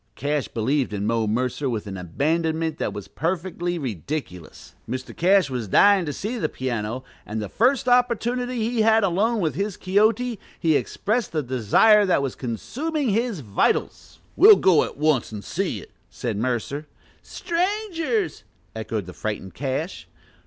Cash believed in Mo Mercer with an abandonment that was perfectly ridiculous. Mr. Cash was dying to see the piano, and the first opportunity he had alone with his Quixote he expressed the desire that was consuming his vitals. "We'll go at once and see it," said Mercer. "Strangers!" echoed the frightened Cash.